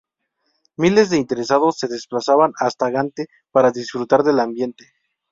Miles de interesados se desplazaban hasta Gante para disfrutar del ambiente.